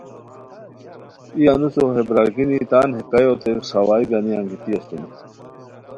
ای انوسو ہے برارگینی تان ہے کایوتے ݰاوائے گانی انگیتی اسونی